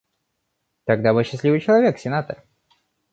Тогда вы счастливый человек, сенатор.